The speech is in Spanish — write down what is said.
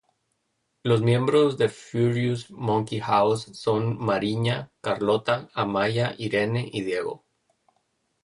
Los miembros de Furious Monkey House son Mariña, Carlota, Amaya, Irene y Diego.